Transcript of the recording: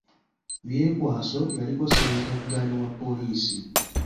Byekwaso yaliko ssenkaggale wa poliisi.